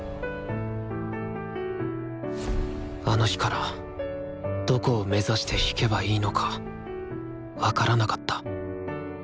あの日からどこを目指して弾けばいいのか分からなかった。